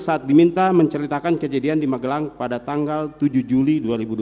saat diminta menceritakan kejadian di magelang pada tanggal tujuh juli dua ribu dua puluh